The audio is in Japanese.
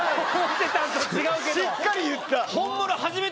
しっかり言った。